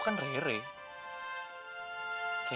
kayaknya lagi ada masalah sama mobilnya